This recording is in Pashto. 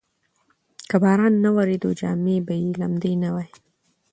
که باران نه وریده، جامې به یې لمدې نه وای.